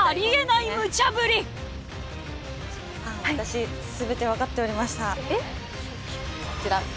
私全て分かっておりましたこちら。